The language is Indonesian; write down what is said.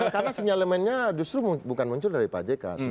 karena senyalemennya justru bukan muncul dari pak jk